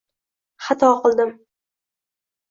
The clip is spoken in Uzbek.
— Xato qildim.